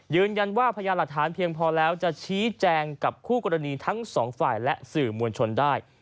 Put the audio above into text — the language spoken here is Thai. พยานหลักฐานเพียงพอแล้วจะชี้แจงกับคู่กรณีทั้งสองฝ่ายและสื่อมวลชนได้